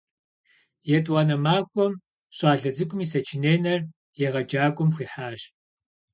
Етӏуанэ махуэм щӏалэ цӏыкӏум и сочиненэр егъэджакӏуэм хуихьащ.